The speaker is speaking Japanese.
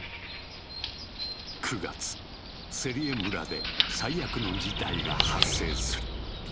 ９月セリエ村で最悪の事態が発生する。